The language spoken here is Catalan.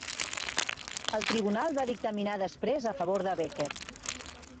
El tribunal va dictaminar després a favor de Becker.